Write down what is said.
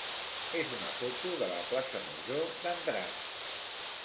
és una foto de la plaça major d'Andratx.